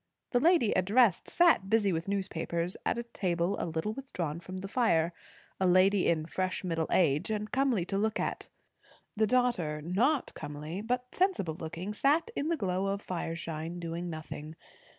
The lady addressed sat busy with newspapers, at a table a little withdrawn from the fire; a lady in fresh middle age, and comely to look at. The daughter, not comely, but sensible looking, sat in the glow of the fireshine, doing nothing.